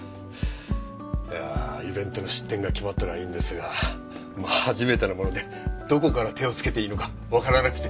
いやイベントの出店が決まったのはいいんですが初めてなものでどこから手をつけていいのかわからなくて。